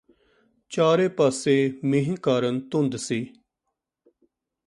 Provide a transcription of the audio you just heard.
ਚਾਰੇ ਪਾਸੇ ਮੀਂਹ ਕਾਰਨ ਧੁੰਦ ਸੀ